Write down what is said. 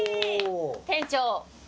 店長。